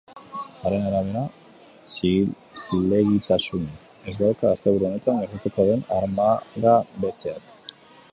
Haren arabera, zilegitasunik ez dauka asteburu honetan gertatuko den armagabetzeak.